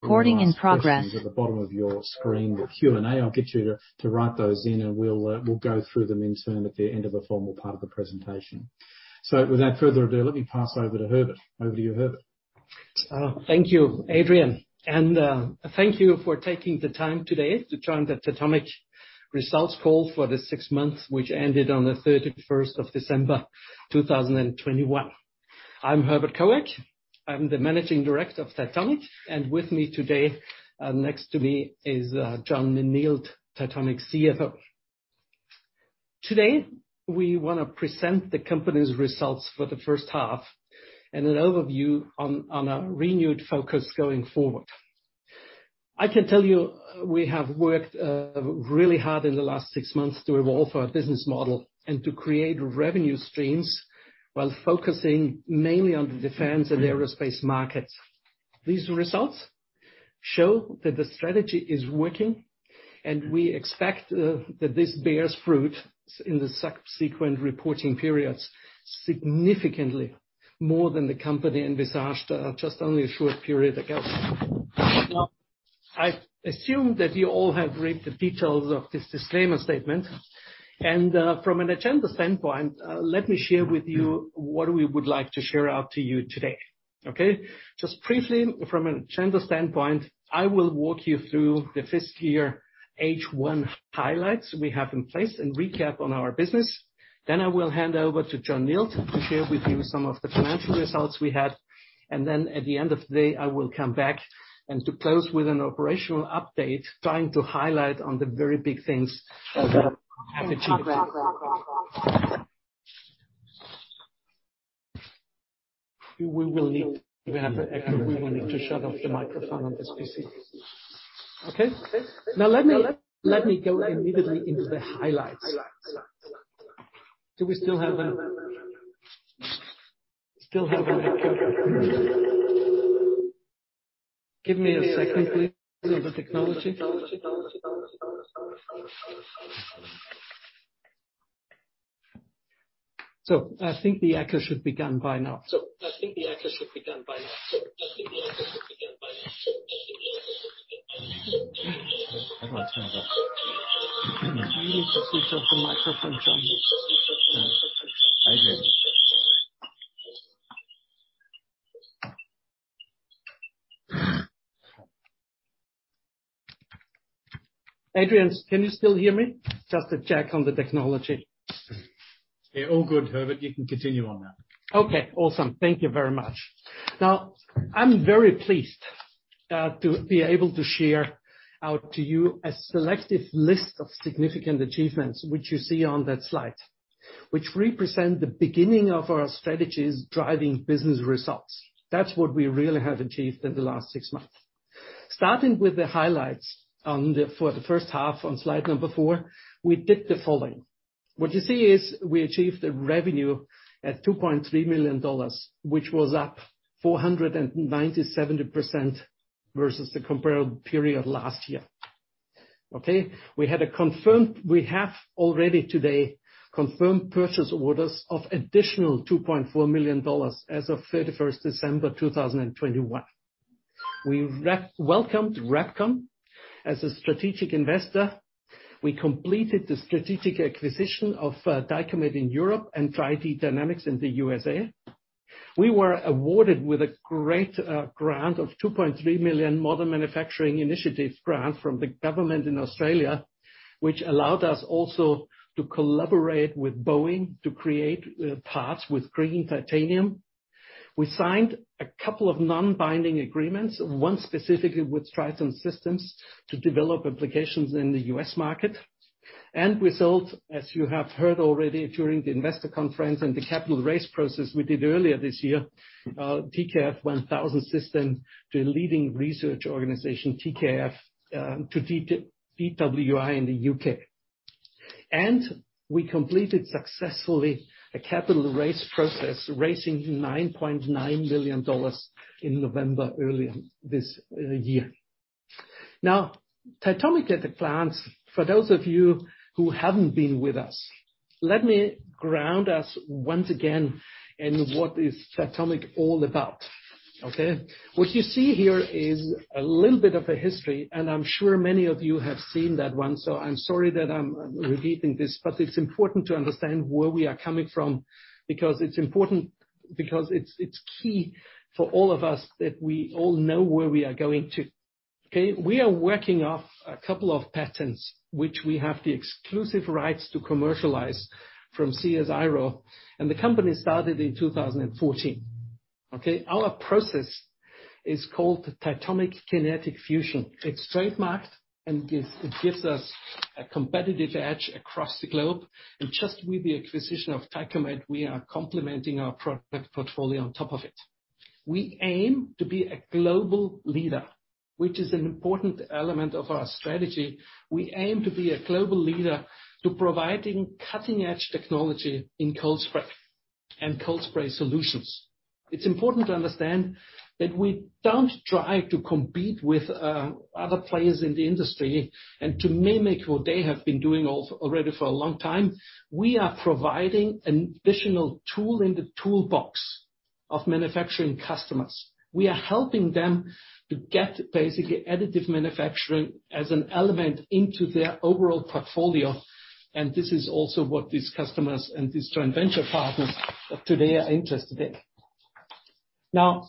At the bottom of your screen, the Q&A. I'll get you to write those in and we'll go through them in turn at the end of the formal part of the presentation. Without further ado, let me pass over to Herbert. Over to you, Herbert. Thank you, Adrian, and thank you for taking the time today to join the Titomic results call for the six months which ended on the December 31st, 2021. I'm Herbert Koeck. I'm the Managing Director of Titomic, and with me today next to me is Jon Nield, Titomic's CFO. Today, we wanna present the company's results for the first half and an overview on a renewed focus going forward. I can tell you we have worked really hard in the last six months to evolve our business model and to create revenue streams while focusing mainly on the defense and aerospace markets. These results show that the strategy is working, and we expect that this bears fruit in the subsequent reporting periods significantly more than the company envisaged just only a short period ago. Now, I assume that you all have read the details of this disclaimer statement. From an agenda standpoint, let me share with you what we would like to share out to you today. Okay? Just briefly, from an agenda standpoint, I will walk you through the fiscal year H1 highlights we have in place and recap on our business. I will hand over to Jon Nield to share with you some of the financial results we had. At the end of the day, I will come back and to close with an operational update, trying to highlight on the very big things that have achieved. Actually, we will need to shut off the microphone on this PC. Okay. Now let me go immediately into the highlights. Do we still have an, still have an echo? Give me a second, please. A bit of technology. I think the echo should be gone by now. Everyone switch off. Do you need to switch off the microphone, Jon? Adrian. Adrian, can you still hear me? Just to check on the technology. Yeah, all good, Herbert. You can continue on that. Okay, awesome. Thank you very much. Now, I'm very pleased to be able to share out to you a selective list of significant achievements which you see on that slide, which represent the beginning of our strategies driving business results. That's what we really have achieved in the last six months. Starting with the highlights for the first half on slide number four, we did the following. What you see is we achieved a revenue at 2.3 million dollars, which was up 497% versus the comparable period last year. We have already today confirmed purchase orders of additional 2.4 million dollars as of December 31, 2021. We welcomed Repkon as a strategic investor. We completed the strategic acquisition of Dycomet in Europe and Tri-D Dynamics in the USA. We were awarded with a great, grant of 2.3 million Modern Manufacturing Initiative Grant from the government in Australia, which allowed us also to collaborate with Boeing to create, parts with green titanium. We signed a couple of non-binding agreements, one specifically with Triton Systems, to develop applications in the U.S. market. We sold, as you have heard already during the investor conference and the capital raise process, we did earlier this year, TKF1000 System to a leading research organization, TWI, in the U.K. We completed successfully a capital raise process, raising 9.9 million dollars in November earlier this year. Now, Titomic at a glance. For those of you who haven't been with us, let me ground us once again in what is Titomic all about. Okay? What you see here is a little bit of a history, and I'm sure many of you have seen that one, so I'm sorry that I'm repeating this, but it's important to understand where we are coming from because it's key for all of us that we all know where we are going to. Okay. We are working off a couple of patents, which we have the exclusive rights to commercialize from CSIRO, and the company started in 2014. Okay? Our process is called Titomic Kinetic Fusion. It's trademarked, and it gives us a competitive edge across the globe. Just with the acquisition of Dycomet, we are complementing our product portfolio on top of it. We aim to be a global leader, which is an important element of our strategy. We aim to be a global leader to providing cutting-edge technology in cold spray and cold spray solutions. It's important to understand that we don't try to compete with other players in the industry and to mimic what they have been doing already for a long time. We are providing an additional tool in the toolbox of manufacturing customers. We are helping them to get basically additive manufacturing as an element into their overall portfolio, and this is also what these customers and these joint venture partners of today are interested in. Now,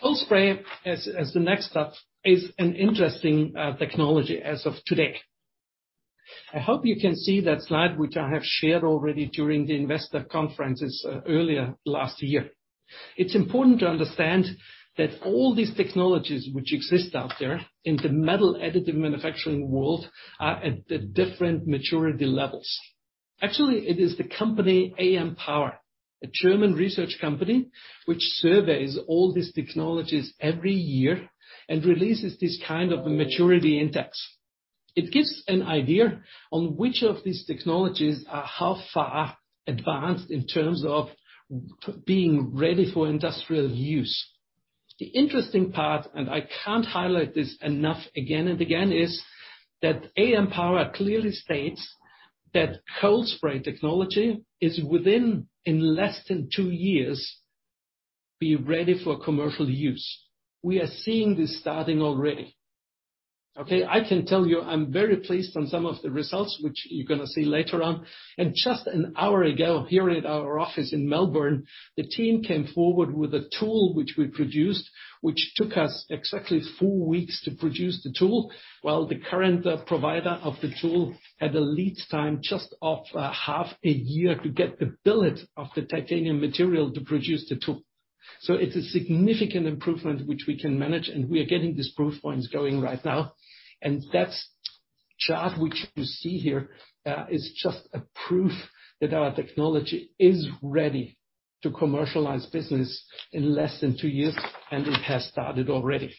cold spray as the next step is an interesting technology as of today. I hope you can see that slide, which I have shared already during the investor conferences earlier last year. It's important to understand that all these technologies which exist out there in the metal additive manufacturing world are at different maturity levels. Actually, it is the company AMPOWER, a German research company, which surveys all these technologies every year and releases this kind of a maturity index. It gives an idea on which of these technologies are how far advanced in terms of being ready for industrial use. The interesting part, and I can't highlight this enough again and again, is that AMPOWER clearly states that cold spray technology is in less than two years be ready for commercial use. We are seeing this starting already. Okay. I can tell you, I'm very pleased on some of the results which you're gonna see later on. Just an hour ago, here at our office in Melbourne, the team came forward with a tool which we produced, which took us exactly four weeks to produce the tool, while the current provider of the tool had a lead time just of half a year to get the billet of the titanium material to produce the tool. It's a significant improvement which we can manage, and we are getting these proof points going right now. That chart, which you see here, is just a proof that our technology is ready to commercialize business in less than two years, and it has started already.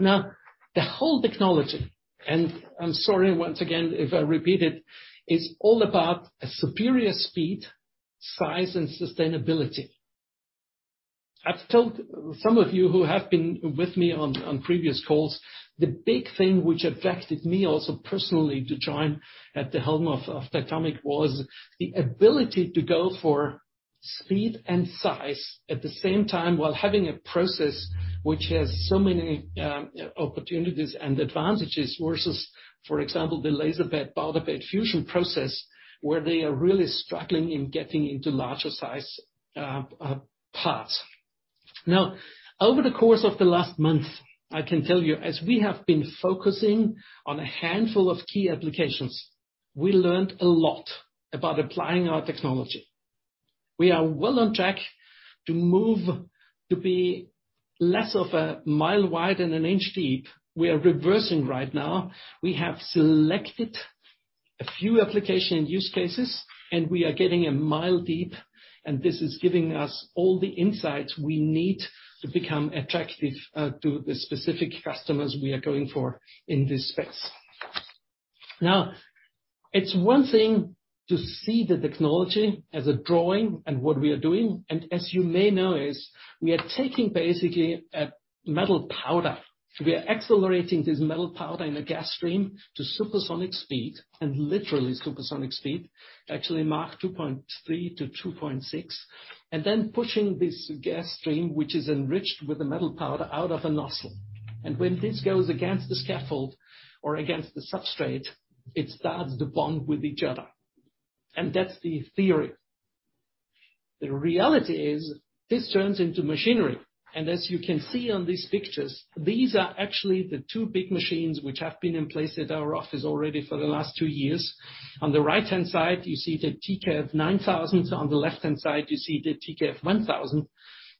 Now, the whole technology, and I'm sorry once again if I repeat, it is all about a superior speed, size, and sustainability. I've told some of you who have been with me on previous calls, the big thing which attracted me also personally to join at the helm of Titomic was the ability to go for speed and size at the same time, while having a process which has so many opportunities and advantages versus, for example, the powder bed fusion process, where they are really struggling in getting into larger size parts. Now, over the course of the last month, I can tell you, as we have been focusing on a handful of key applications, we learned a lot about applying our technology. We are well on track to move to be less of a mile wide and an inch deep. We are reversing right now. We have selected a few application and use cases, and we are getting a mile deep, and this is giving us all the insights we need to become attractive to the specific customers we are going for in this space. Now, it's one thing to see the technology as a drawing and what we are doing, and as you may know is we are taking basically a metal powder. We are accelerating this metal powder in a gas stream to supersonic speed, and literally supersonic speed, actually Mach 2.3-2.6, and then pushing this gas stream, which is enriched with the metal powder, out of a nozzle. When this goes against the scaffold or against the substrate, it starts to bond with each other. That's the theory. The reality is these turns into machinery. As you can see on these pictures, these are actually the two big machines which have been in place at our office already for the last two years. On the right-hand side, you see the TKF9000. On the left-hand side, you see the TKF1000.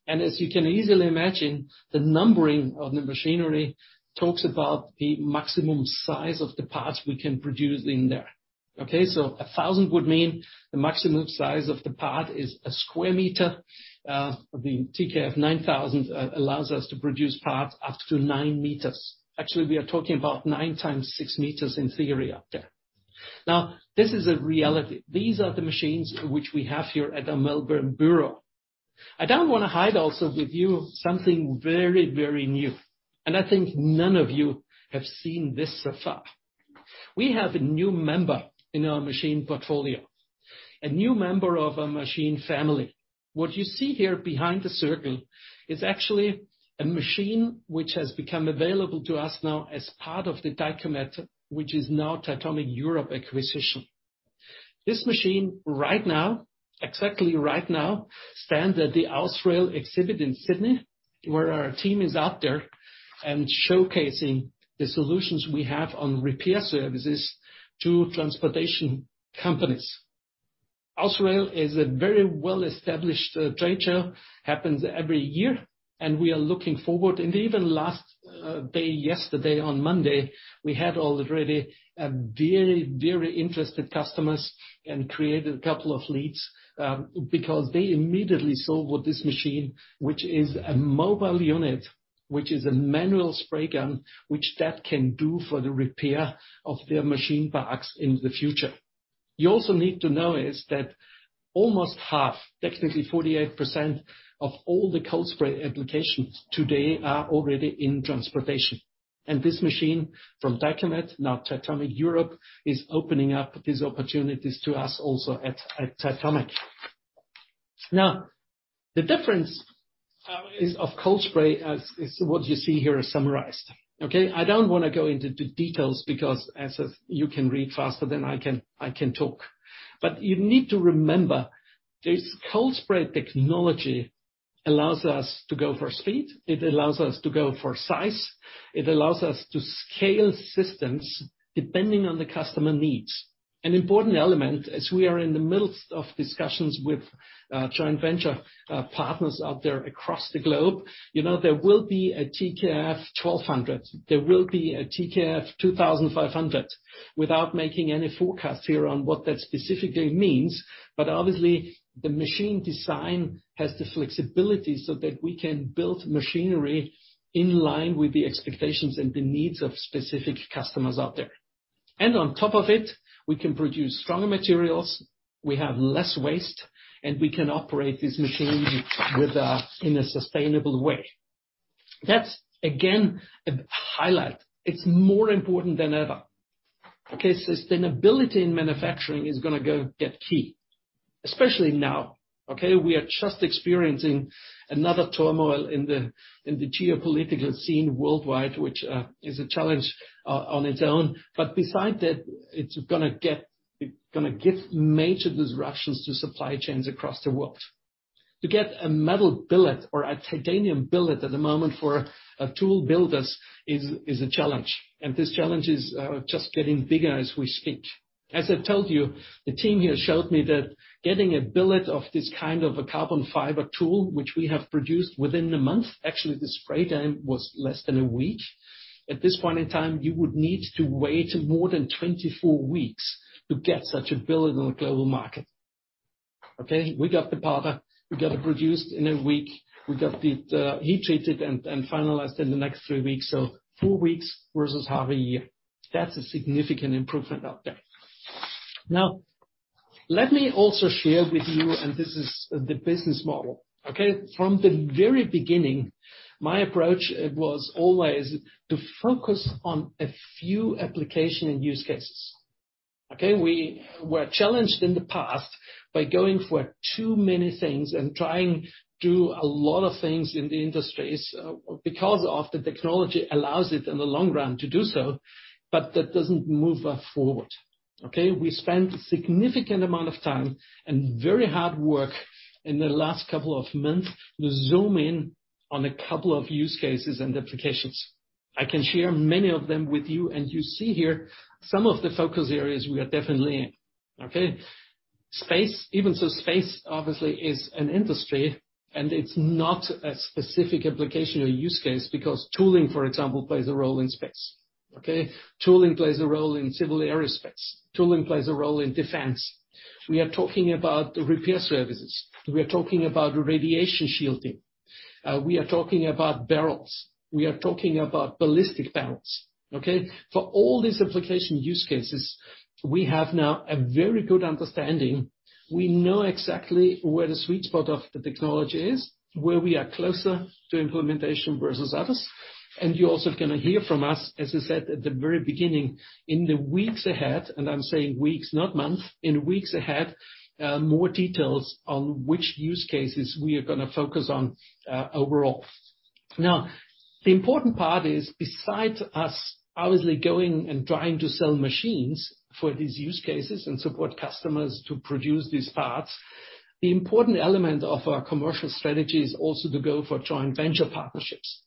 As you can easily imagine, the numbering of the machinery talks about the maximum size of the parts we can produce in there. Okay. 1,000 would mean the maximum size of the part is 1 sq m. The TKF9000 allows us to produce parts up to 9 meters. Actually, we are talking about 9 x 6 meters in theory out there. Now, this is a reality. These are the machines which we have here at the Melbourne Bureau. I now wanna share also with you something very, very new. I think none of you have seen this so far. We have a new member in our machine portfolio, a new member of our machine family. What you see here behind the circle is actually a machine which has become available to us now as part of the Dycomet, which is now Titomic Europe acquisition. This machine right now, exactly right now, stands at the AusRAIL exhibit in Sydney, where our team is out there and showcasing the solutions we have on repair services to transportation companies. AusRAIL is a very well-established trade show, happens every year. We are looking forward. Even last day, yesterday on Monday, we had already a very, very interested customers and created a couple of leads, because they immediately saw what this machine, which is a mobile unit, which is a manual spray gun, which that can do for the repair of their machine parks in the future. You also need to know is that almost half, technically 48% of all the cold spray applications today are already in transportation. This machine from Dycomet, now Titomic Europe, is opening up these opportunities to us also at Titomic. Now, the difference is of cold spray as is what you see here summarized. Okay. I don't wanna go into the details because you can read faster than I can talk. You need to remember this cold spray technology allows us to go for speed, it allows us to go for size, it allows us to scale systems depending on the customer needs. An important element as we are in the midst of discussions with joint venture partners out there across the globe, you know there will be a TKF1200. There will be a TKF2500. Without making any forecast here on what that specifically means, but obviously the machine design has the flexibility so that we can build machinery in line with the expectations and the needs of specific customers out there. On top of it, we can produce stronger materials, we have less waste, and we can operate this machine with in a sustainable way. That's again a highlight. It's more important than ever. Okay? Sustainability in manufacturing is gonna get key, especially now, okay? We are just experiencing another turmoil in the geopolitical scene worldwide, which is a challenge on its own. Besides that, it's gonna give major disruptions to supply chains across the world. To get a metal billet or a titanium billet at the moment for tool builders is a challenge. This challenge is just getting bigger as we speak. As I told you, the team here showed me that getting a billet of this kind of a carbon fiber tool, which we have produced within a month. Actually, the spray time was less than a week. At this point in time, you would need to wait more than 24 weeks to get such a billet on the global market. Okay? We got the powder, we got it produced in a week, we got it heat-treated and finalized in the next 3 weeks. 4 weeks versus half a year. That's a significant improvement out there. Now, let me also share with you, and this is the business model. Okay? From the very beginning, my approach was always to focus on a few applications and use cases. Okay? We were challenged in the past by going for too many things and trying to do a lot of things in the industries because the technology allows it in the long run to do so, but that doesn't move us forward. Okay? We spent a significant amount of time and very hard work in the last couple of months to zoom in on a couple of use cases and applications. I can share many of them with you, and you see here some of the focus areas we are definitely in. Okay? Space. Even so, space obviously is an industry, and it's not a specific application or use case because tooling, for example, plays a role in space. Okay? Tooling plays a role in civil aerospace. Tooling plays a role in defense. We are talking about repair services. We are talking about radiation shielding. We are talking about barrels. We are talking about ballistic barrels. Okay? For all these application use cases, we have now a very good understanding. We know exactly where the sweet spot of the technology is, where we are closer to implementation versus others. You're also gonna hear from us, as I said at the very beginning, in the weeks ahead, and I'm saying weeks, not month, in weeks ahead, more details on which use cases we are gonna focus on, overall. Now, the important part is besides us obviously going and trying to sell machines for these use cases and support customers to produce these parts, the important element of our commercial strategy is also to go for joint venture partnerships.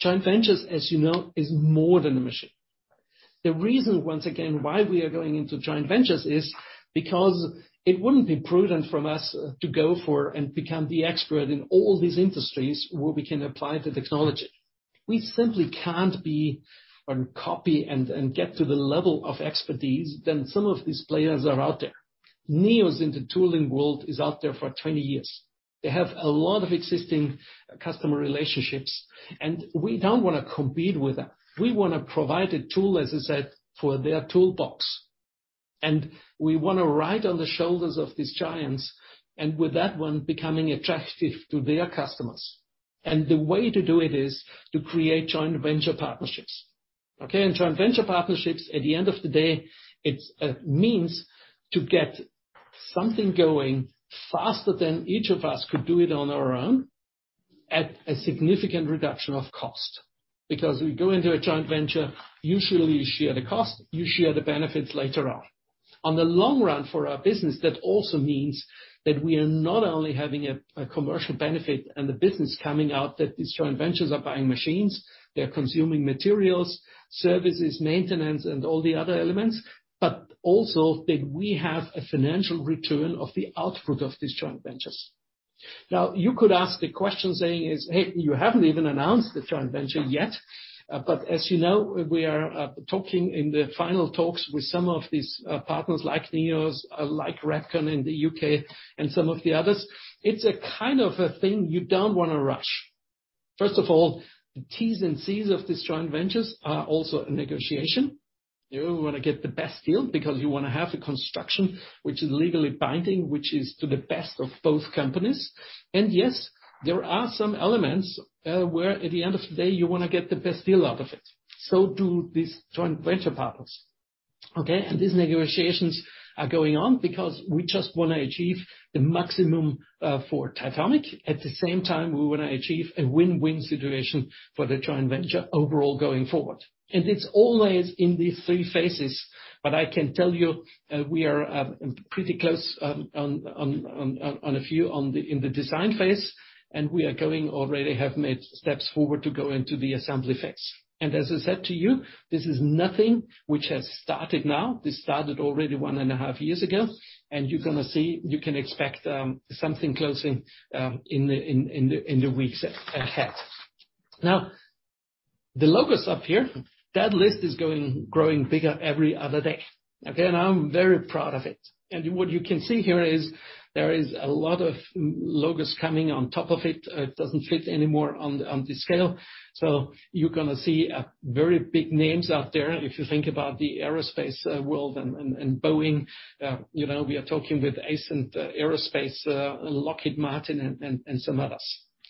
Joint ventures, as you know, is more than a machine. The reason once again why we are going into joint ventures is because it wouldn't be prudent from us to go for and become the expert in all these industries where we can apply the technology. We simply can't be on copy and get to the level of expertise that some of these players are out there. Nèos in the tooling world is out there for 20 years. They have a lot of existing customer relationships, and we don't wanna compete with that. We wanna provide a tool, as I said, for their toolbox. We wanna ride on the shoulders of these giants, and with that one becoming attractive to their customers. The way to do it is to create joint venture partnerships. Okay. Joint venture partnerships, at the end of the day, it means to get something going faster than each of us could do it on our own at a significant reduction of cost. Because we go into a joint venture, usually you share the cost, you share the benefits later on. On the long run for our business, that also means that we are not only having a commercial benefit and the business coming out that these joint ventures are buying machines, they're consuming materials, services, maintenance and all the other elements, but also that we have a financial return of the output of these joint ventures. Now, you could ask the question saying is, "Hey, you haven't even announced the joint venture yet." But as you know, we are talking in the final talks with some of these partners like Nèos, like Repkon in the U.K. and some of the others. It's a kind of a thing you don't wanna rush. First of all, the T's and C's of these joint ventures are also a negotiation. You want to get the best deal because you wanna have a construction which is legally binding, which is to the best of both companies. Yes, there are some elements, where at the end of the day, you wanna get the best deal out of it. So do these joint venture partners, okay? These negotiations are going on because we just wanna achieve the maximum, for Titomic. At the same time, we wanna achieve a win-win situation for the joint venture overall going forward. It's always in these three phases, but I can tell you, we are at, pretty close, on a few in the design phase, and we have already made steps forward to go into the assembly phase. As I said to you, this is nothing which has started now. This started already one and a half years ago, and you're gonna see, you can expect, something closing in the weeks ahead. Now, the logos up here, that list is growing bigger every other day, okay? I'm very proud of it. What you can see here is, there is a lot of logos coming on top of it. It doesn't fit anymore on the scale. You're gonna see a very big names out there if you think about the aerospace world and Boeing. You know, we are talking with Ascent Aerospace, Lockheed Martin and some others.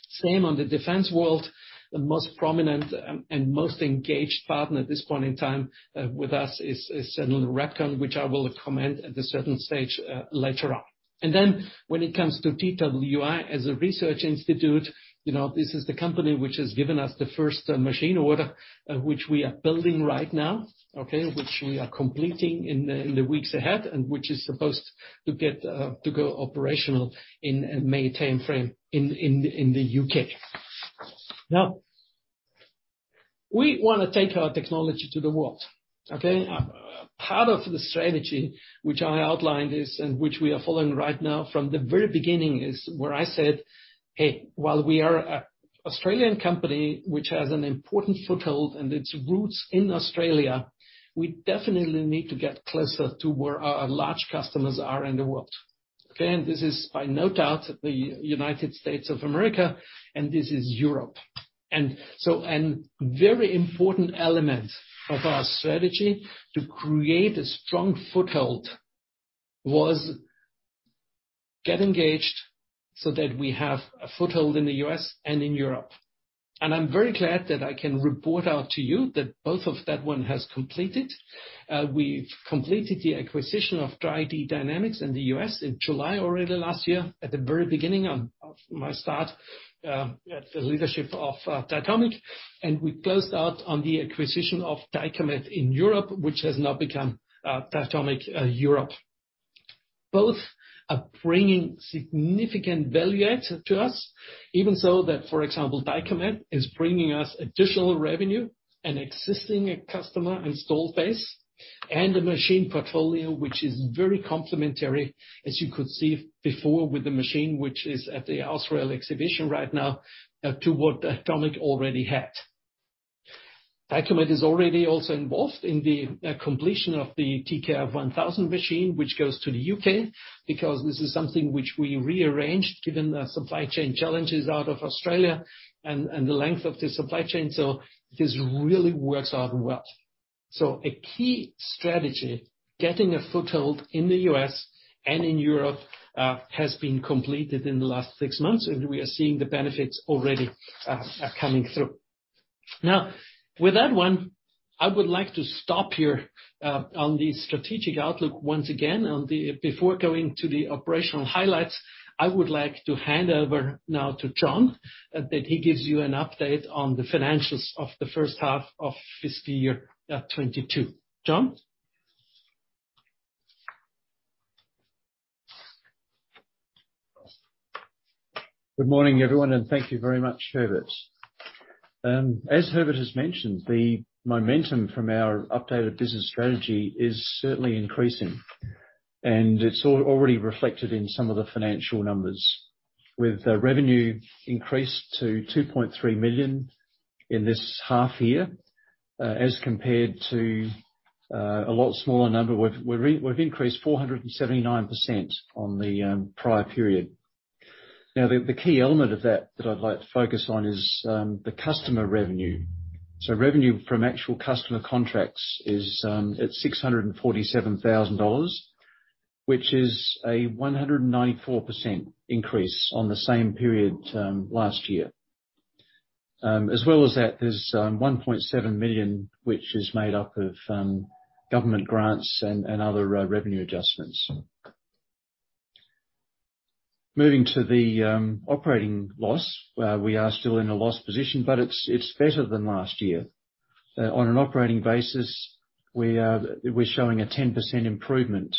Same on the defense world. The most prominent and most engaged partner at this point in time with us is Repkon, which I will comment at a certain stage later on. Then when it comes to TWI as a research institute, you know, this is the company which has given us the first machine order which we are building right now, okay? Which we are completing in the weeks ahead, and which is supposed to get to go operational in May timeframe in the U.K. Now, we wanna take our technology to the world, okay? Part of the strategy which I outlined is, and which we are following right now from the very beginning, is where I said, "Hey, while we are a Australian company which has an important foothold and its roots in Australia, we definitely need to get closer to where our large customers are in the world." Okay? This is without a doubt, the United States of America, and this is Europe. Very important element of our strategy to create a strong foothold was get engaged so that we have a foothold in the U.S. and in Europe. I'm very glad that I can report out to you that both of that one has completed. We've completed the acquisition of Tri-D Dynamics in the U.S. in July already last year, at the very beginning of my start at the leadership of Titomic. We closed out on the acquisition of Dycomet in Europe, which has now become Titomic Europe. Both are bringing significant value add to us. Even so that, for example, Dycomet is bringing us additional revenue, an existing customer installed base, and a machine portfolio, which is very complementary, as you could see before with the machine, which is at the AusRAIL exhibition right now, to what Titomic already had. Dycomet is already also involved in the completion of the TKF1000 machine, which goes to the U.K. Because this is something which we rearranged given the supply chain challenges out of Australia and the length of the supply chain. This really works out well. A key strategy, getting a foothold in the U.S. and in Europe, has been completed in the last six months, and we are seeing the benefits already, coming through. Now, with that one, I would like to stop here on the strategic outlook once again before going to the operational highlights. I would like to hand over now to Jon, that he gives you an update on the financials of the first half of fiscal year 2022. Jon? Good morning, everyone, and thank you very much, Herbert. As Herbert has mentioned, the momentum from our updated business strategy is certainly increasing, and it's already reflected in some of the financial numbers. With revenue increased to 2.3 million in this half year, as compared to a lot smaller number. We've increased 479% on the prior period. Now, the key element of that I'd like to focus on is the customer revenue. Revenue from actual customer contracts is at 647,000 dollars, which is a 194% increase on the same period last year. As well as that, there's 1.7 million, which is made up of government grants and other revenue adjustments. Moving to the operating loss, we are still in a loss position, but it's better than last year. On an operating basis, we're showing a 10% improvement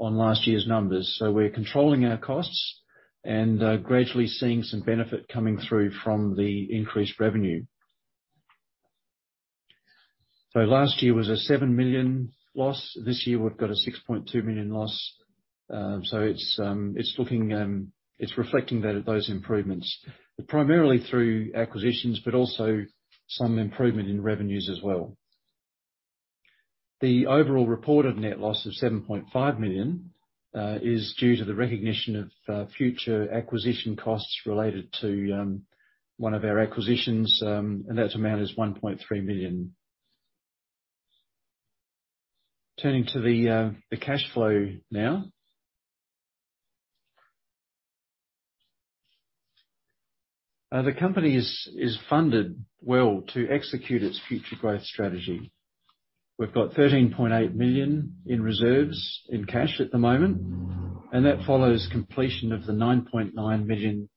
on last year's numbers. We're controlling our costs and gradually seeing some benefit coming through from the increased revenue. Last year was an 7 million loss. This year, we've got an 6.2 million loss. It's reflecting those improvements, primarily through acquisitions, but also some improvement in revenues as well. The overall reported net loss of 7.5 million is due to the recognition of future acquisition costs related to one of our acquisitions, and that amount is 1.3 million. Turning to the cash flow now. The company is funded well to execute its future growth strategy. We've got 13.8 million in reserves in cash at the moment, and that follows completion of the 9.9 million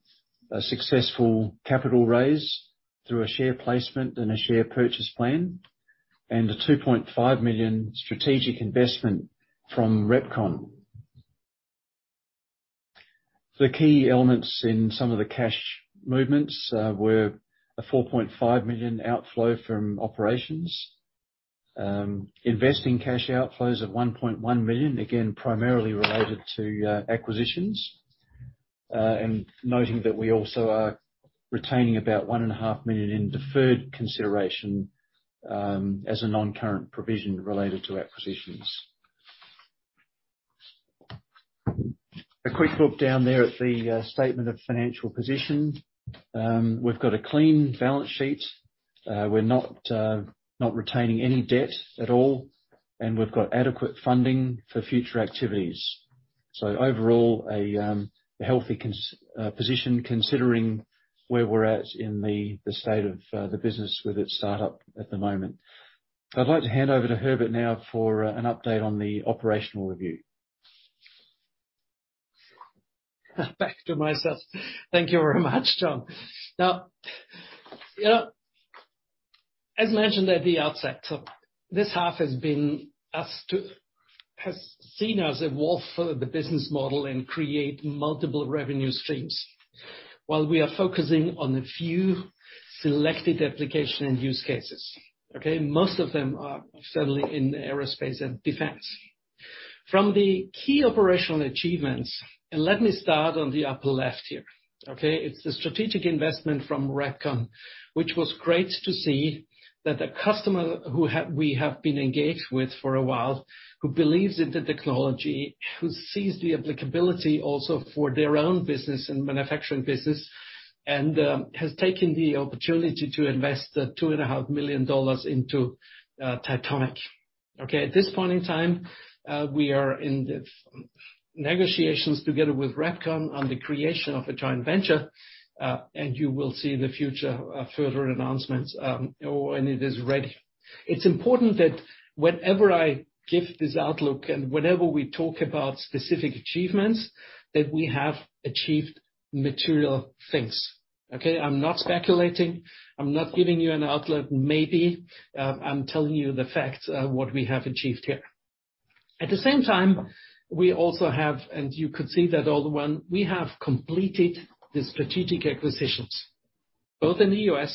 successful capital raise through a share placement and a share purchase plan, and a 2.5 million strategic investment from Repkon. The key elements in some of the cash movements were a 4.5 million outflow from operations. Investing cash outflows of 1.1 million, again, primarily related to acquisitions. Noting that we also are retaining about 1.5 million in deferred consideration as a non-current provision related to acquisitions. A quick look down there at the statement of financial position. We've got a clean balance sheet. We're not retaining any debt at all, and we've got adequate funding for future activities. Overall, a healthy position considering where we're at in the state of the business with its startup at the moment. I'd like to hand over to Herbert now for an update on the operational review. Back to myself. Thank you very much, Jon. Now, you know, as mentioned at the outset, this half has seen us evolve the business model and create multiple revenue streams while we are focusing on a few selected application and use cases. Okay? Most of them are certainly in aerospace and defense. From the key operational achievements, let me start on the upper left here. Okay? It's the strategic investment from Repkon, which was great to see that a customer who we have been engaged with for a while, who believes in the technology, who sees the applicability also for their own business and manufacturing business, and has taken the opportunity to invest 2.5 million dollars into Titomic. Okay, at this point in time, we are in the negotiations together with Repkon on the creation of a joint venture, and you will see further announcements in the future, or when it is ready. It's important that whenever I give this outlook, and whenever we talk about specific achievements, that we have achieved material things. Okay. I'm not speculating. I'm not giving you an outlook, maybe. I'm telling you the facts of what we have achieved here. At the same time, we also have, and you could see that in the last one, we have completed the strategic acquisitions, both in the U.S.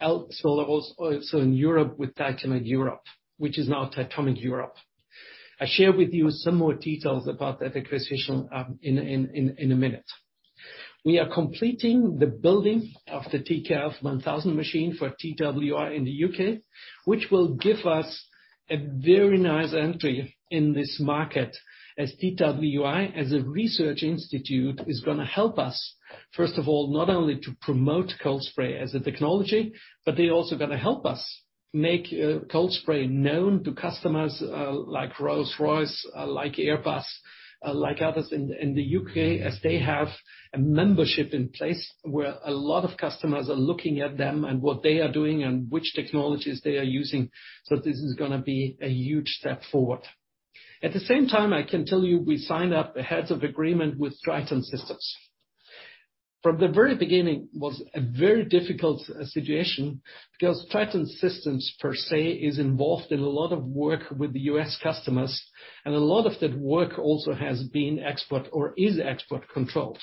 as well as also in Europe with Titomic Europe, which is now Titomic Europe. I share with you some more details about that acquisition in a minute. We are completing the building of the TKF1000 machine for TWI in the U.K., which will give us a very nice entry in this market as TWI as a research institute is gonna help us, first of all, not only to promote cold spray as a technology, but they're also gonna help us make cold spray known to customers like Rolls-Royce, like Airbus, like others in the U.K., as they have a membership in place where a lot of customers are looking at them and what they are doing and which technologies they are using. This is gonna be a huge step forward. At the same time, I can tell you we signed up a heads of agreement with Triton Systems. From the very beginning, it was a very difficult situation because Triton Systems per se is involved in a lot of work with the U.S. customers, and a lot of that work also has been export or is export-controlled.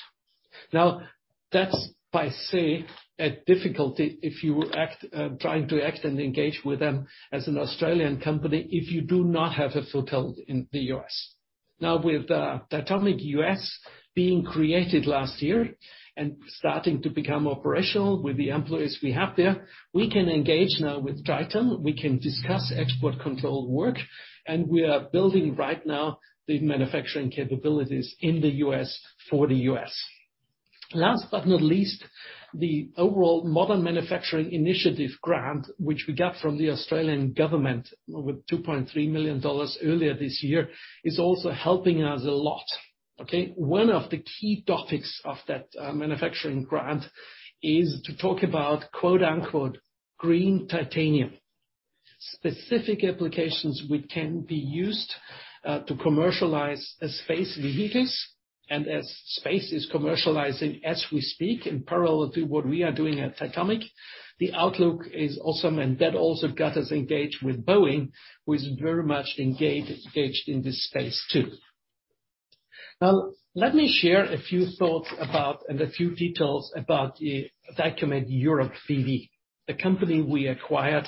That's per se a difficulty if you act, trying to act and engage with them as an Australian company if you do not have a foothold in the U.S. With Titomic USA being created last year and starting to become operational with the employees we have there, we can engage now with Triton. We can discuss export-controlled work, and we are building right now the manufacturing capabilities in the U.S. for the U.S. Last but not least, the overall Modern Manufacturing Initiative Grant, which we got from the Australian government with 2.3 million dollars earlier this year, is also helping us a lot. Okay? One of the key topics of that manufacturing grant is to talk about, quote-unquote, "green titanium." Specific applications which can be used to commercialize space vehicles and as space is commercializing as we speak in parallel to what we are doing at Titomic. The outlook is awesome, and that also got us engaged with Boeing, who is very much engaged in this space too. Now, let me share a few thoughts about, and a few details about, Titomic Europe B.V., the company we acquired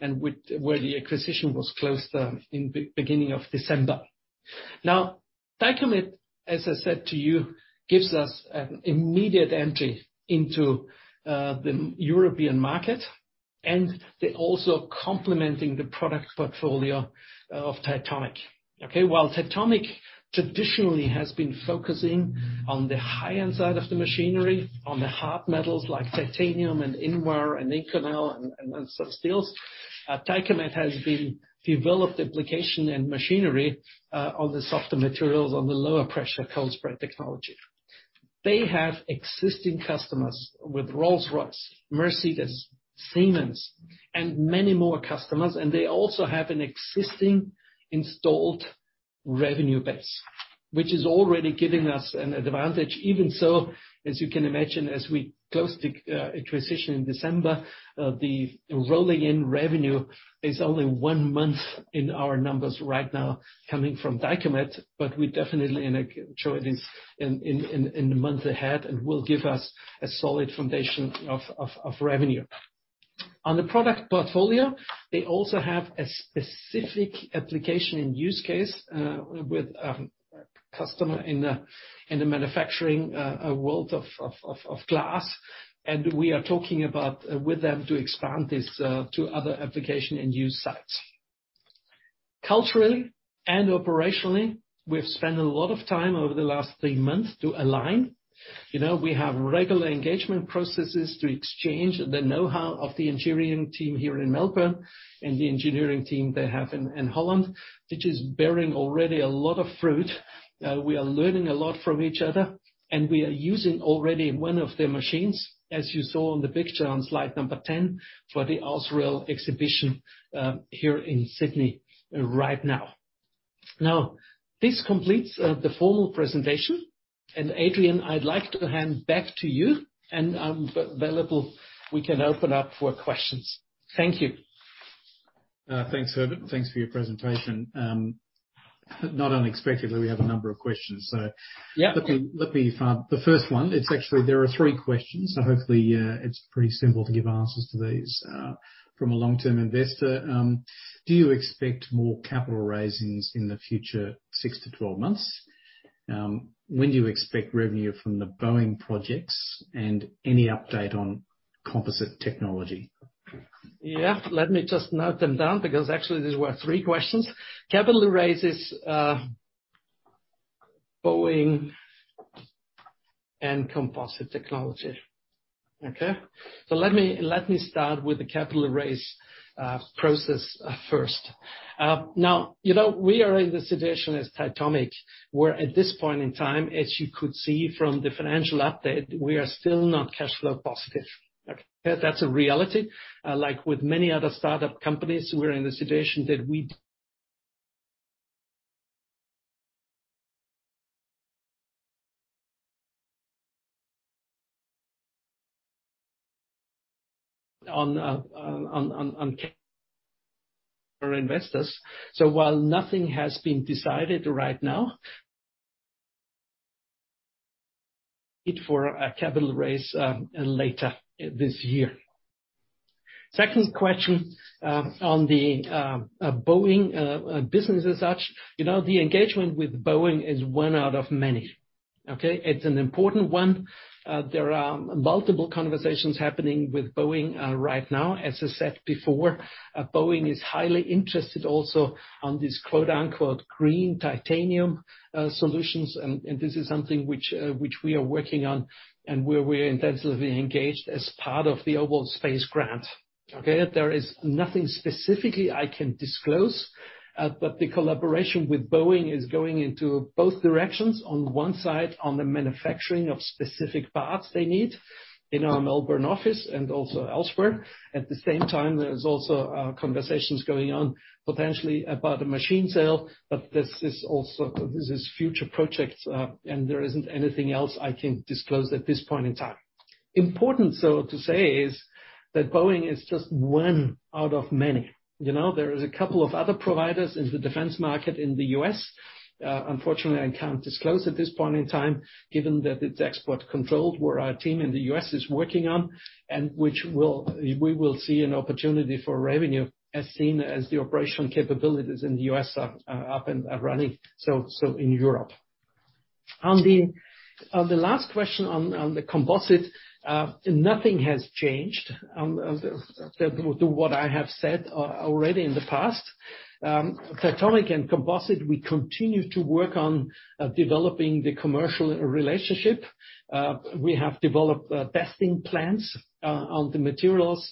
and where the acquisition was closed in beginning of December. Now, Titomic, as I said to you, gives us an immediate entry into the European market and they're also complementing the product portfolio of Titomic. Okay? While Titomic traditionally has been focusing on the high-end side of the machinery, on the hard metals like titanium and Invar and Inconel and some steels, Dycomet has developed applications and machinery on the softer materials on the lower-pressure cold spray technology. They have existing customers with Rolls-Royce, Mercedes, Siemens, and many more customers, and they also have an existing installed revenue base, which is already giving us an advantage. Even so, as you can imagine, as we close the acquisition in December, the roll-in revenue is only one month in our numbers right now coming from Dycomet, but we definitely and I can show this in the months ahead and will give us a solid foundation of revenue. On the product portfolio, they also have a specific application and use case with customer in the manufacturing world of glass, and we are talking with them to expand this to other application and use sites. Culturally and operationally, we've spent a lot of time over the last three months to align. You know, we have regular engagement processes to exchange the know-how of the engineering team here in Melbourne and the engineering team they have in Holland, which is bearing already a lot of fruit. We are learning a lot from each other, and we are using already one of their machines, as you saw on the picture on slide number 10, for the AusRAIL exhibition here in Sydney right now. Now, this completes the formal presentation. Adrian, I'd like to hand back to you and I'm available. We can open up for questions. Thank you. Thanks, Herbert. Thanks for your presentation. Not unexpectedly, we have a number of questions. Yeah. Let me find the first one. It's actually there are three questions, so hopefully it's pretty simple to give answers to these. From a long-term investor, do you expect more capital raisings in the future six to 12 months? When do you expect revenue from the Boeing projects? Any update on composite technology? Yeah. Let me just note them down because actually these were three questions. Capital raises, Boeing and composite technology. Okay. Let me start with the capital raise process first. Now, you know, we are in the situation as Titomic, where at this point in time, as you could see from the financial update, we are still not cash flow positive. Okay. That's a reality. Like with many other startup companies, we're in the situation. While nothing has been decided right now, it's for a capital raise later this year. Second question on the Boeing business as such. You know, the engagement with Boeing is one out of many. Okay. It's an important one. There are multiple conversations happening with Boeing right now. As I said before, Boeing is highly interested also on this quote-unquote, "green titanium," solutions, and this is something which we are working on and where we're intensively engaged as part of the Modern Manufacturing Initiative grant. Okay. There is nothing specifically I can disclose, but the collaboration with Boeing is going into both directions. On one side, on the manufacturing of specific parts they need in our Melbourne office and also elsewhere. At the same time, there's also conversations going on potentially about a machine sale, but this is future projects, and there isn't anything else I can disclose at this point in time. Important, though, to say is that Boeing is just one out of many. You know. There is a couple of other providers in the defense market in the U.S. Unfortunately, I can't disclose at this point in time, given that it's export-controlled, where our team in the U.S. is working on and which will see an opportunity for revenue as soon as the operational capabilities in the U.S. are up and running, so in Europe. On the last question on the composite, nothing has changed on to what I have said already in the past. Titomic and composite, we continue to work on developing the commercial relationship. We have developed testing plans on the materials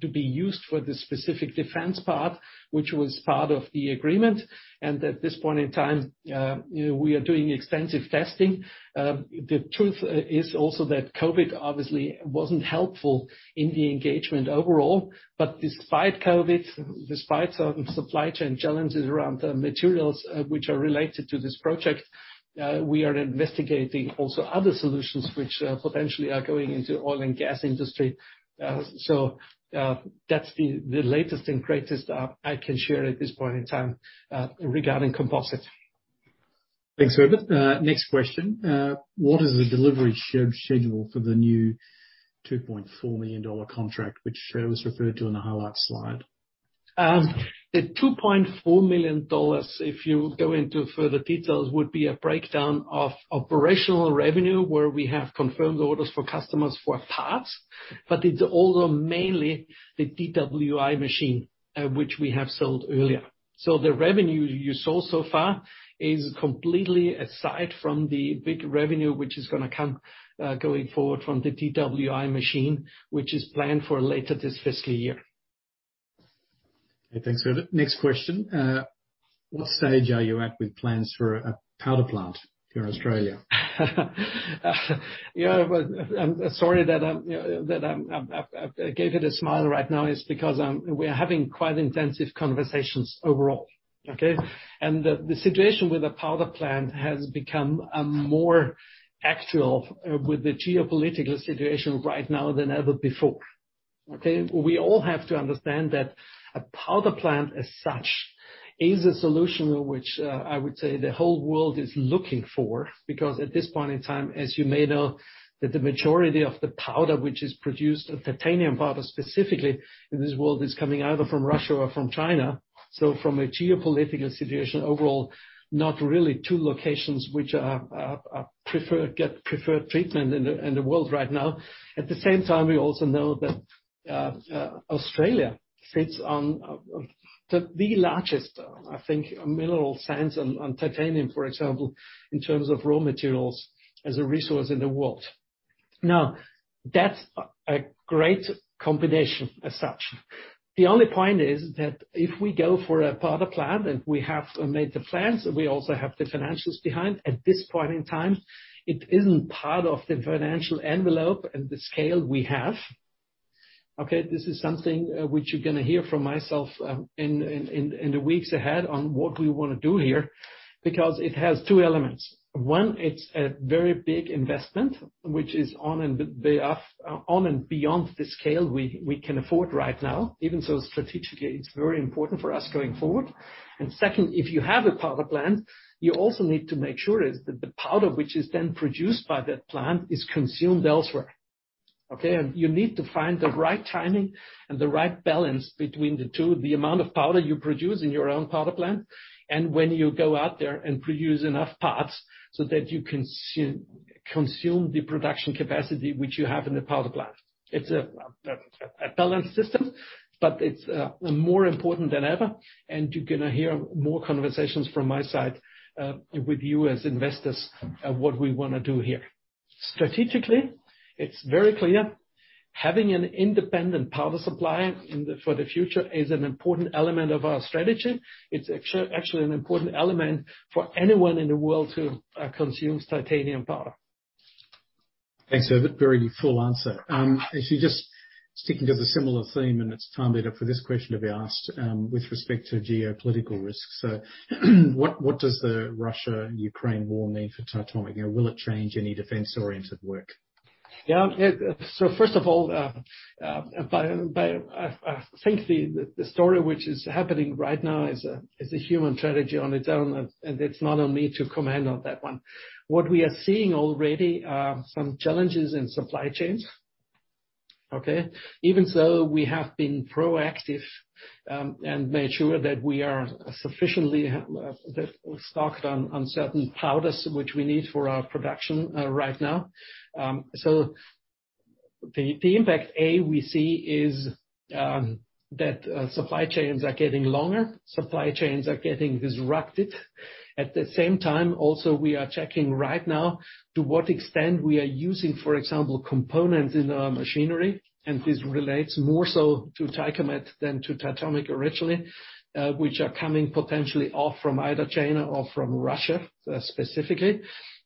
to be used for this specific defense part, which was part of the agreement. At this point in time, we are doing extensive testing. The truth is also that COVID obviously wasn't helpful in the engagement overall. Despite COVID, despite some supply chain challenges around the materials, which are related to this project, we are investigating also other solutions which, potentially are going into oil and gas industry. That's the latest and greatest, I can share at this point in time, regarding composite. Thanks, Herbert. Next question. What is the delivery schedule for the new 2.4 million dollar contract, which was referred to in the highlights slide? The 2.4 million dollars, if you go into further details, would be a breakdown of operational revenue where we have confirmed orders for customers for parts, but it's also mainly the TWI machine, which we have sold earlier. The revenue you saw so far is completely aside from the big revenue which is gonna come, going forward from the TWI machine, which is planned for later this fiscal year. Okay, thanks, Herbert. Next question. What stage are you at with plans for a powder plant here in Australia? Yeah, sorry that I gave it a smile right now. It's because we're having quite intensive conversations overall, okay? The situation with the powder plant has become more actual with the geopolitical situation right now than ever before, okay? We all have to understand that a powder plant as such is a solution which I would say the whole world is looking for, because at this point in time, as you may know, the majority of the powder which is produced, titanium powder specifically, in this world is coming either from Russia or from China. From a geopolitical situation overall, not really two locations which are preferred, get preferred treatment in the world right now. At the same time, we also know that Australia sits on the largest, I think mineral sands on titanium, for example, in terms of raw materials as a resource in the world. Now, that's a great combination as such. The only point is that if we go for a powder plant, and we have made the plans, and we also have the financials behind, at this point in time, it isn't part of the financial envelope and the scale we have, okay? This is something which you're gonna hear from myself in the weeks ahead on what we wanna do here, because it has two elements. One, it's a very big investment which is on and beyond the scale we can afford right now. Even so, strategically, it's very important for us going forward. Second, if you have a powder plant, you also need to make sure that the powder which is then produced by that plant is consumed elsewhere, okay? You need to find the right timing and the right balance between the two, the amount of powder you produce in your own powder plant and when you go out there and produce enough parts so that you consume the production capacity which you have in the powder plant. It's a balance system, but it's more important than ever, and you're gonna hear more conversations from my side with you as investors of what we wanna do here. Strategically, it's very clear. Having an independent powder supply in the for the future is an important element of our strategy. It's actually an important element for anyone in the world who consumes titanium powder. Thanks, Herbert. Very full answer. If you're just sticking to the similar theme, and it might be better for this question to be asked with respect to geopolitical risks. What does the Russia-Ukraine war mean for Titomic? You know, will it change any defense-oriented work? First of all, I think the story which is happening right now is a human tragedy on its own, and it's not on me to comment on that one. What we are seeing already are some challenges in supply chains, okay? Even so, we have been proactive, and made sure that we are sufficiently stocked on certain powders which we need for our production right now. The impact we see is that supply chains are getting longer. Supply chains are getting disrupted. At the same time, also, we are checking right now to what extent we are using, for example, components in our machinery, and this relates more so to Dycomet than to Titomic originally, which are coming potentially all from either China or from Russia, specifically.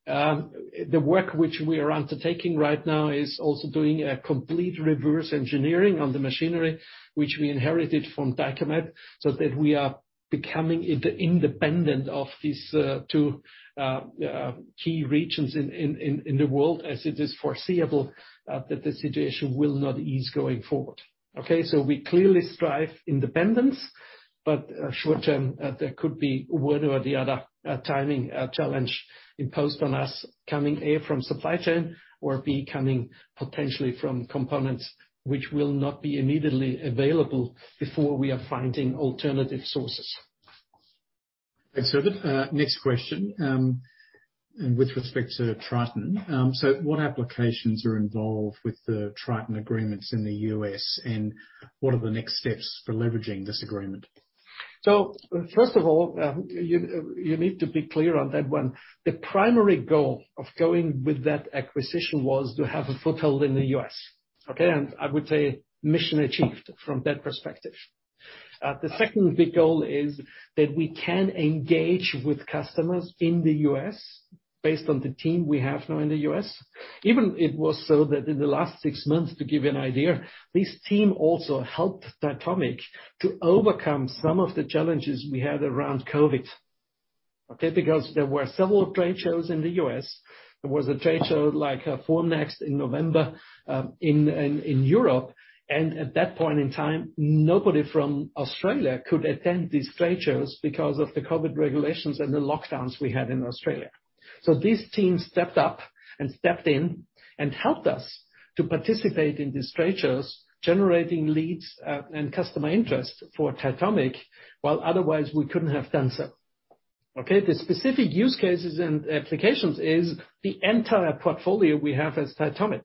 The work which we are undertaking right now is also doing a complete reverse engineering on the machinery which we inherited from Dycomet, so that we are becoming independent of these two key regions in the world, as it is foreseeable that the situation will not ease going forward. We clearly strive for independence, but short term, there could be one or the other timing challenge imposed on us coming A from supply chain or B coming potentially from components which will not be immediately available before we are finding alternative sources. Thanks, Herbert. Next question with respect to Triton. What applications are involved with the Triton agreements in the U.S., and what are the next steps for leveraging this agreement? First of all, you need to be clear on that one. The primary goal of going with that acquisition was to have a foothold in the U.S., okay? I would say mission achieved from that perspective. The second big goal is that we can engage with customers in the U.S. based on the team we have now in the U.S. Even it was so that in the last six months, to give you an idea, this team also helped Titomic to overcome some of the challenges we had around COVID, okay? Because there were several trade shows in the U.S. There was a trade show like Formnext in November in Europe. At that point in time, nobody from Australia could attend these trade shows because of the COVID regulations and the lockdowns we had in Australia. This team stepped up and stepped in and helped us to participate in these trade shows, generating leads, and customer interest for Titomic, while otherwise we couldn't have done so. Okay, the specific use cases and applications is the entire portfolio we have as Titomic.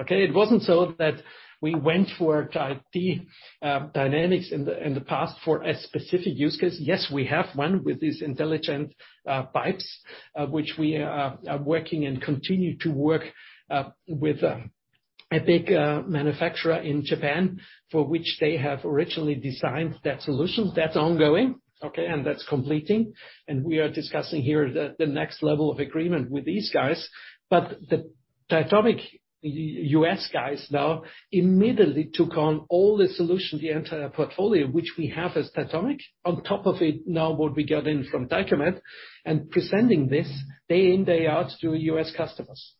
Okay? It wasn't so that we went for Tri-D Dynamics in the past for a specific use case. Yes, we have one with these intelligent pipes, which we are working and continue to work with a big manufacturer in Japan, for which they have originally designed that solution. That's ongoing, okay, and that's completing, and we are discussing here the next level of agreement with these guys. The Titomic, the U.S. guys now immediately took on all the solution, the entire portfolio, which we have as Titomic. On top of it now what we get in from Dycomet and presenting this day in, day out to U.S. customers.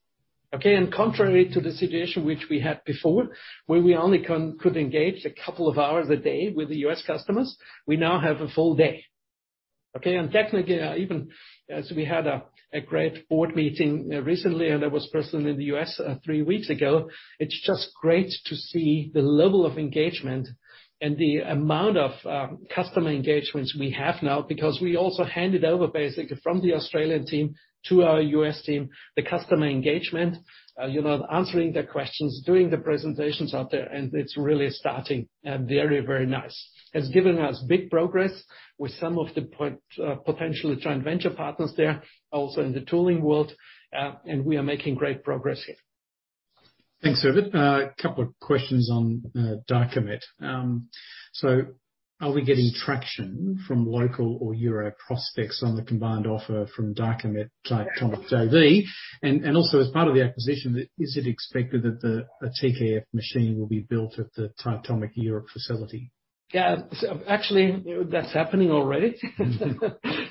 Okay? Contrary to the situation which we had before, where we only could engage a couple of hours a day with the U.S. customers, we now have a full day. Okay? Technically, even as we had a great board meeting recently, and I was personally in the U.S. three weeks ago, it's just great to see the level of engagement and the amount of customer engagements we have now because we also handed over basically from the Australian team to our U.S. team, the customer engagement, you know, answering their questions, doing the presentations out there, and it's really starting very, very nice. It's given us big progress with some of the potential joint venture partners there, also in the tooling world, and we are making great progress here. Thanks, Herbert. A couple of questions on Dycomet. Are we getting traction from local or Euro prospects on the combined offer from Dycomet Titomic JV? And also, as part of the acquisition, is it expected that a TKF machine will be built at the Titomic Europe facility? Yeah. Actually, that's happening already.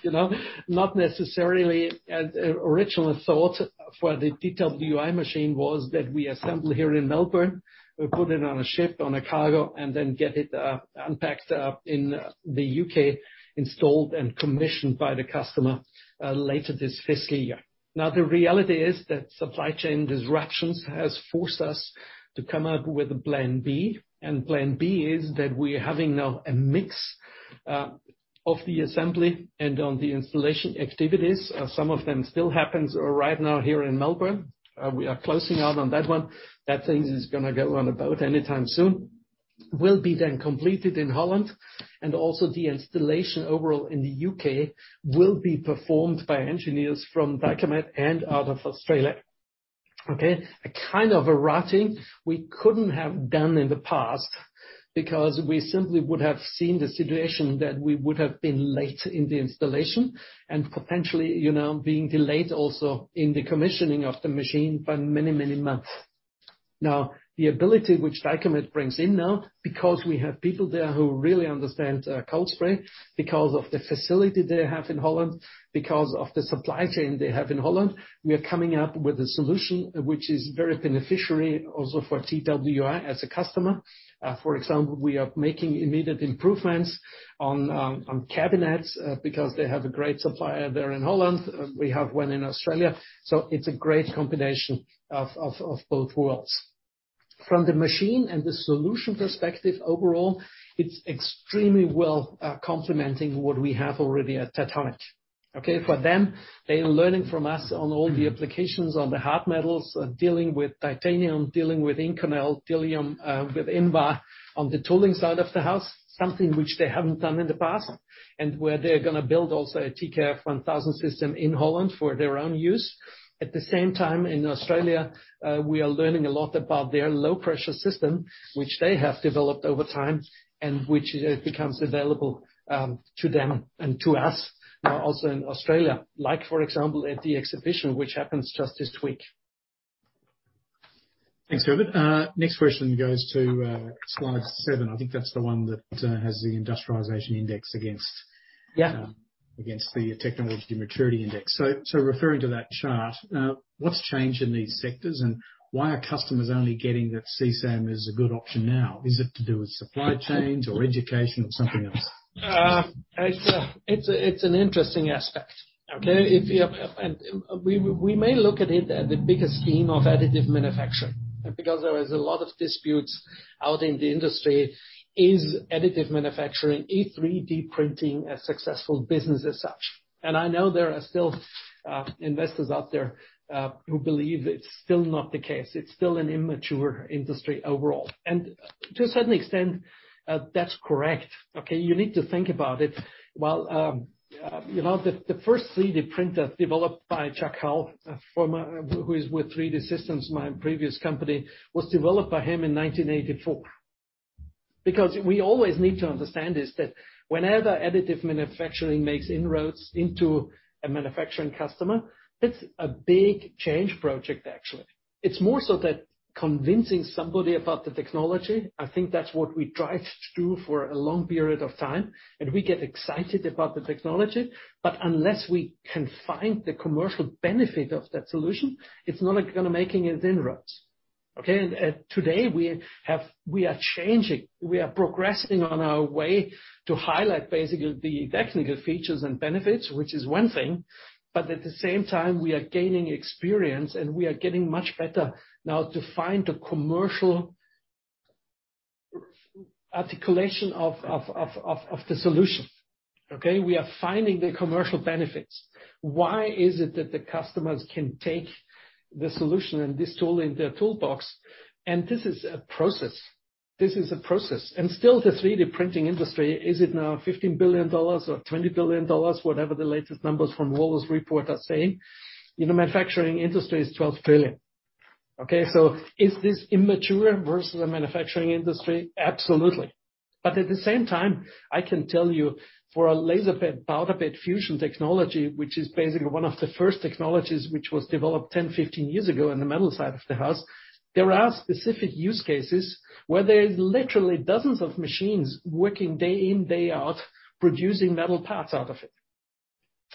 You know? Not necessarily as original thought for the TWI machine was that we assemble here in Melbourne, we put it on a ship, on a cargo, and then get it, unpacked, in the U.K., installed and commissioned by the customer, later this fiscal year. Now, the reality is that supply chain disruptions has forced us to come up with a plan B. Plan B is that we're having now a mix, of the assembly and on the installation activities. Some of them still happens right now here in Melbourne. We are closing out on that one. That thing is gonna go on a boat anytime soon. Will be then completed in Holland, and also the installation overall in the U.K. will be performed by engineers from Dycomet and out of Australia. Okay? A kind of a routing we couldn't have done in the past because we simply would have seen the situation that we would have been late in the installation and potentially being delayed also in the commissioning of the machine by many, many months. Now, the ability which Dycomet brings in now, because we have people there who really understand cold spray, because of the facility they have in Holland, because of the supply chain they have in Holland, we are coming up with a solution which is very beneficial also for TWI as a customer. For example, we are making immediate improvements on cabinets because they have a great supplier there in Holland. We have one in Australia. It's a great combination of both worlds. From the machine and the solution perspective overall, it's extremely well complementing what we have already at Titomic. Okay? For them, they're learning from us on all the applications on the hard metals, dealing with titanium, dealing with Inconel, dealing with Invar on the tooling side of the house, something which they haven't done in the past and where they're gonna build also a TKF1000 system in Holland for their own use. At the same time, in Australia, we are learning a lot about their low-pressure system, which they have developed over time, and which becomes available to them and to us now also in Australia. Like, for example, at the exhibition, which happens just this week. Thanks, Herbert. Next question goes to slide seven. I think that's the one that has the industrialization index against- Yeah. Against the technology maturity index. Referring to that chart, what's changed in these sectors, and why are customers only getting that CSAM is a good option now? Is it to do with supply chains or education or something else? It's an interesting aspect, okay? We may look at it in the bigger scheme of additive manufacturing, because there is a lot of disputes out in the industry: is additive manufacturing 3D printing a successful business as such? I know there are still investors out there who believe it's still not the case. It's still an immature industry overall. To a certain extent, that's correct. Okay? You need to think about it. You know, the first 3D printer developed by Chuck Hull, who is with 3D Systems, my previous company, was developed by him in 1984. Because we always need to understand is that whenever additive manufacturing makes inroads into a manufacturing customer, that's a big change project, actually. It's more so that convincing somebody about the technology. I think that's what we tried to do for a long period of time, and we get excited about the technology. Unless we can find the commercial benefit of that solution, it's not gonna making its inroads. Okay? Today we have we are changing. We are progressing on our way to highlight basically the technical features and benefits, which is one thing, but at the same time we are gaining experience, and we are getting much better now to find the commercial articulation of the solution. Okay? We are finding the commercial benefits. Why is it that the customers can take the solution and this tool in their toolbox? This is a process. This is a process. Still, the 3D printing industry is it now $15 billion or $20 billion, whatever the latest numbers from Wohlers Report are saying. You know, manufacturing industry is $12 trillion. Okay, so is this immature versus the manufacturing industry? Absolutely. But at the same time, I can tell you for a laser bed, powder bed fusion technology, which is basically one of the first technologies which was developed 10, 15 years ago in the metal side of the house, there are specific use cases where there is literally dozens of machines working day in, day out, producing metal parts out of it.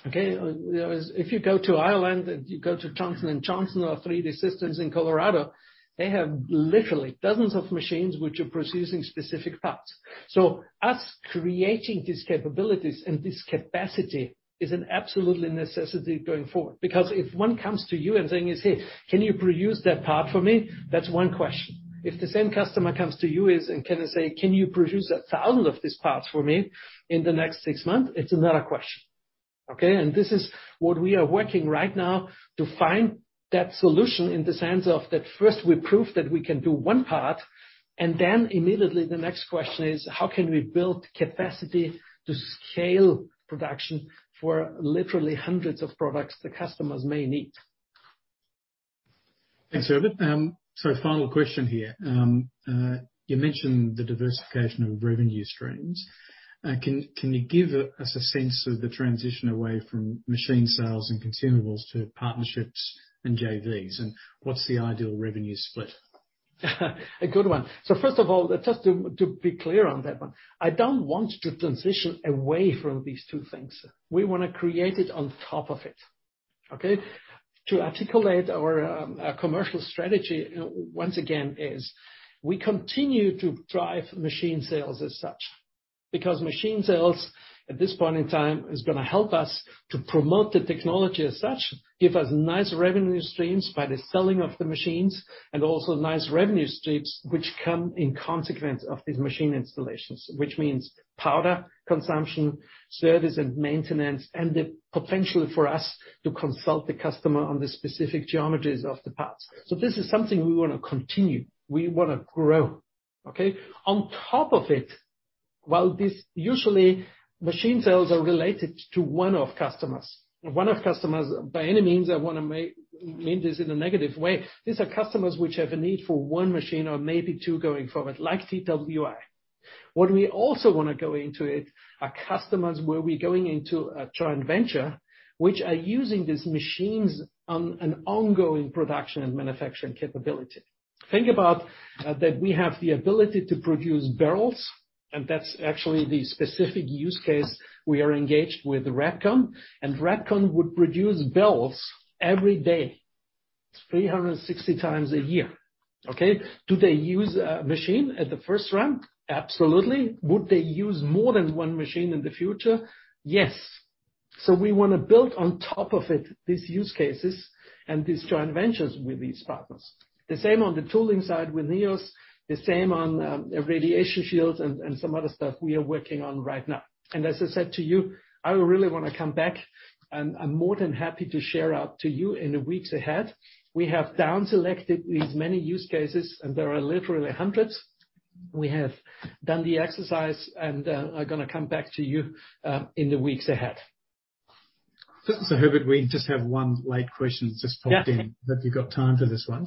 Okay? There is. If you go to Ireland and you go to Johnson & Johnson or 3D Systems in Colorado, they have literally dozens of machines which are producing specific parts. So, us creating these capabilities and this capacity is an absolutely necessity going forward. Because if one comes to you and saying, "Hey, can you produce that part for me?" That's one question. If the same customer comes to you and says, "Can you produce 1,000 of these parts for me in the next six months?" It's another question. Okay? This is what we are working right now to find that solution in the sense that first we prove that we can do one part, and then immediately the next question is, how can we build capacity to scale production for literally hundreds of products the customers may need. Thanks, Herbert. Final question here. You mentioned the diversification of revenue streams. Can you give us a sense of the transition away from machine sales and consumables to partnerships and JVs, and what's the ideal revenue split? A good one. First of all, just to be clear on that one, I don't want to transition away from these two things. We want to create it on top of it, okay? To articulate our commercial strategy, once again, is we continue to drive machine sales as such, because machine sales at this point in time is going to help us to promote the technology as such, give us nice revenue streams by the selling of the machines, and also nice revenue streams which come in consequence of these machine installations, which means powder consumption, service and maintenance, and the potential for us to consult the customer on the specific geometries of the parts. This is something we want to continue, we want to grow. Okay? On top of it, while this usually machine sales are related to one-off customers. One-off customers, by any means, I don't wanna mean this in a negative way. These are customers which have a need for one machine or maybe two going forward, like TWI. What we also wanna go into it are customers where we're going into a joint venture which are using these machines on an ongoing production and manufacturing capability. Think about that we have the ability to produce barrels, and that's actually the specific use case we are engaged with Repkon. Repkon would produce barrels every day, 360 times a year. Okay? Do they use a machine at the first run? Absolutely. Would they use more than one machine in the future? Yes. We wanna build on top of it, these use cases and these joint ventures with these partners. The same on the tooling side with Nèos, the same on radiation shields and some other stuff we are working on right now. As I said to you, I really wanna come back, and I'm more than happy to share out to you in the weeks ahead. We have down selected these many use cases, and there are literally hundreds. We have done the exercise and are gonna come back to you in the weeks ahead. Herbert, we just have one late question just popped in. Yeah. If you've got time for this one.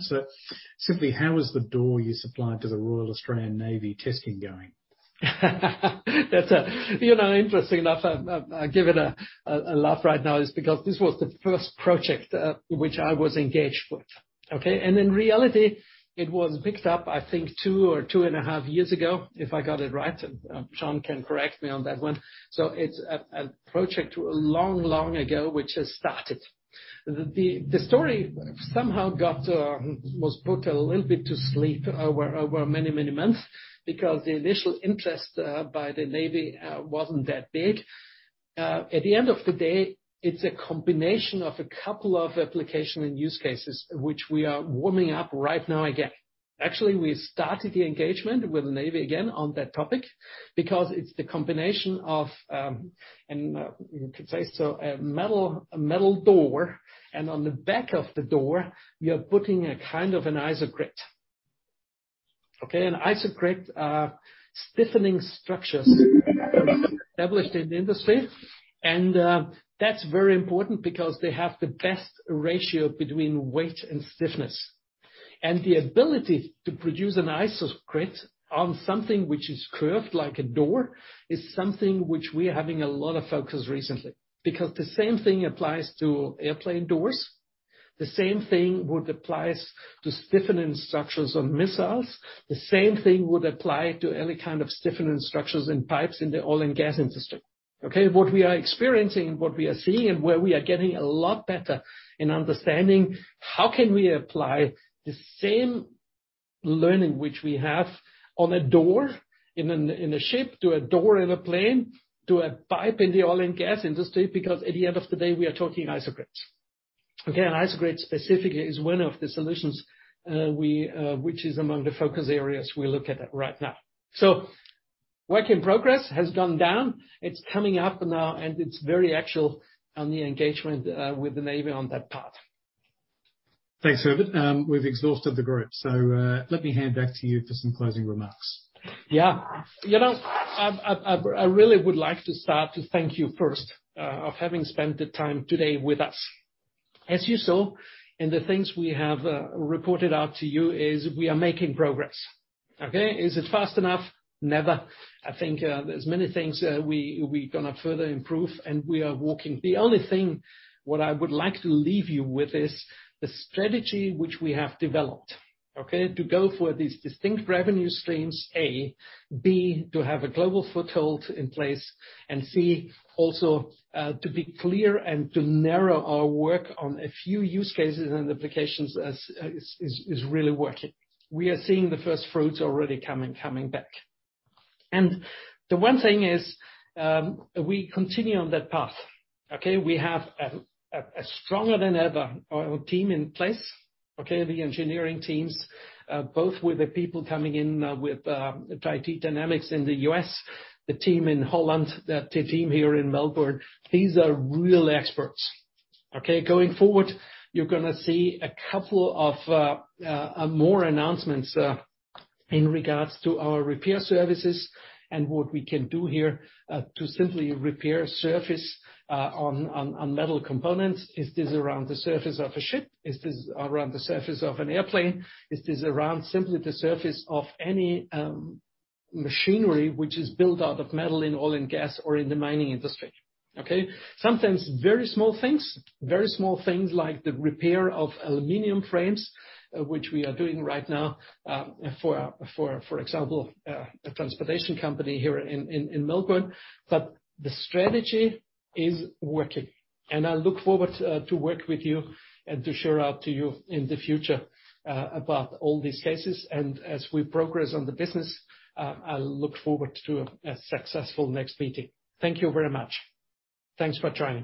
Simply, how is the door you supplied to the Royal Australian Navy testing going? That's. You know, interesting enough, I give it a laugh right now just because this was the first project which I was engaged with. Okay? In reality, it was picked up, I think two or two and a half years ago, if I got it right. John can correct me on that one. It's a project long ago, which has started. The story somehow was put a little bit to sleep over many months because the initial interest by the Navy wasn't that big. At the end of the day, it's a combination of a couple of application and use cases which we are warming up right now again. Actually, we started the engagement with the Navy again on that topic because it's the combination of you could say so a metal door and on the back of the door, we are putting a kind of an isogrid. Okay? An isogrid are stiffening structures established in the industry. That's very important because they have the best ratio between weight and stiffness. The ability to produce an isogrid on something which is curved like a door is something which we're having a lot of focus recently. The same thing applies to airplane doors; the same thing would apply to stiffening structures on missiles. The same thing would apply to any kind of stiffening structures in pipes in the oil and gas industry. Okay? What we are experiencing and what we are seeing and where we are getting a lot better in understanding how can we apply the same learning which we have on a door in a ship to a door in a plane, to a pipe in the oil and gas industry, because at the end of the day, we are talking isogrids. Again, isogrid specifically is one of the solutions which is among the focus areas we look at right now. Work in progress has gone down. It's coming up now, and it's very actual on the engagement with the Navy on that path. Thanks, Herbert. We've exhausted the group, so let me hand back to you for some closing remarks. Yeah. You know, I really would like to start to thank you first of having spent the time today with us. As you saw in the things we have reported out to you is we are making progress. Okay? Is it fast enough? Never. I think, there's many things that we gonna further improve, and we are working. The only thing what I would like to leave you with is the strategy which we have developed, okay? To go for these distinct revenue streams, A. B, to have a global foothold in place. C, also, to be clear and to narrow our work on a few use cases and applications as is really working. We are seeing the first fruits already coming back. The one thing is, we continue on that path. Okay? We have a stronger than ever our team in place. Okay, the engineering teams with the people coming in with Tri-D Dynamics in the U.S., the team in Holland, the team here in Melbourne. These are real experts. Okay. Going forward, you're gonna see a couple of more announcements in regard to our repair services and what we can do here to simply repair surface on metal components. Is this around the surface of a ship? Is this around the surface of an airplane? Is this around simply the surface of any machinery which is built out of metal in oil and gas or in the mining industry? Okay? Sometimes very small things like the repair of aluminum frames, which we are doing right now, for example, a transportation company here in Melbourne. The strategy is working, and I look forward to work with you and to share out to you in the future about all these cases. As we progress on the business, I'll look forward to a successful next meeting. Thank you very much. Thanks for joining.